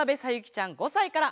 ちゃん５さいから。